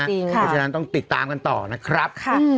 เพราะฉะนั้นต้องติดตามกันต่อนะครับ